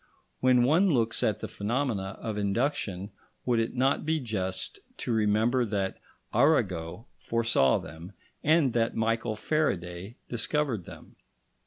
When one looks at the phenomena of induction, would it not be just to remember that Arago foresaw them, and that Michael Faraday discovered them?